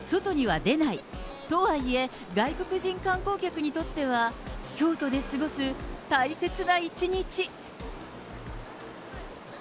できるだけ外には出ないとはいえ、外国人観光客にとっては、京都で過ごす大切な一日。